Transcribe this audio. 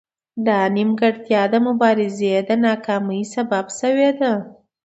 دا نیمګړتیا د مبارزې د ناکامۍ سبب شوې ده